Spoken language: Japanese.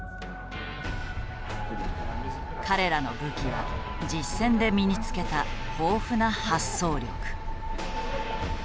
彼らの武器は実戦で身につけた豊富な発想力。